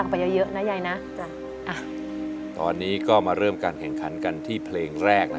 เคยร้องต่อของหลานมั้ยเคยเคยอยู่ค่ะ